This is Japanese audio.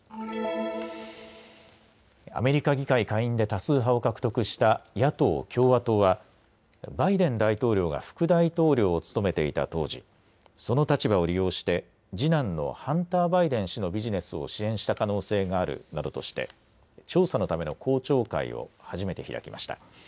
アメリカ議会下院で多数派を獲得した野党・共和党はバイデン大統領が副大統領を務めていた当時、その立場を利用して次男のハンター・バイデン氏のビジネスを支援した可能性があるなどとして調査のための公聴会を初めて開きました。